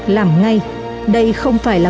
làm ngay đây không phải là